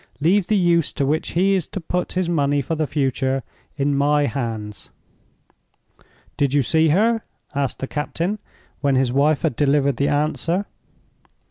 Leave the use to which he is to put his money for the future in my hands." "Did you see her?" asked the captain, when his wife had delivered the answer.